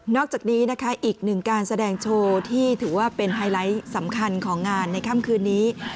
อกจากนี้นะคะอีกหนึ่งการแสดงโชว์ที่ถือว่าเป็นไฮไลท์สำคัญของงานในค่ำคืนนี้